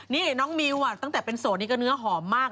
นี่น้องมิวตั้งแต่เป็นโสดนี่ก็เนื้อหอมมาก